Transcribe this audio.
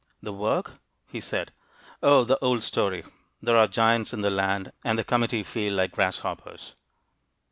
"The work?" he said. "O, the old story; there are 'giants' in the land, and the committee feel like 'grasshoppers'!"